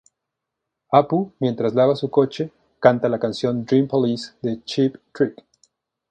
Apu mientras lava su coche canta la canción "Dream Police" de Cheap Trick.